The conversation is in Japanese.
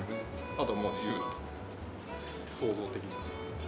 あとはもう自由に創造的に。